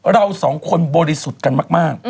เราสองคนบริสุทธิ์กันมาก